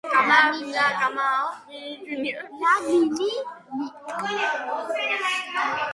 ტერმინი „ლა-ნინია“ მომდინარეობს ესპანური ენიდან და ნიშნავს „პატარა გოგოს“.